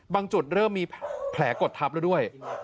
จุดเริ่มมีแผลกดทับแล้วด้วย